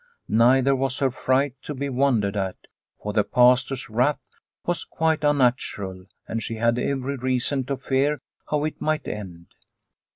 Neither was her fright to be wondered at, for the Pastor's wrath was quite unnatural and she had every reason to fear how it might end.